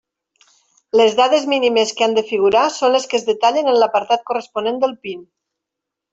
Les dades mínimes que han de figurar són les que es detallen en l'apartat corresponent del PIN.